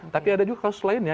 tapi ada juga kasus lainnya